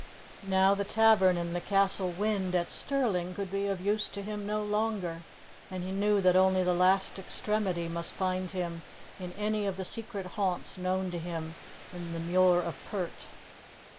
Now the tavern in the Castle Wynd at Stirling could be of use to him no longer, and he knew that only the last extremity must find him in any of the secret haunts known to him in the Muir of Pert.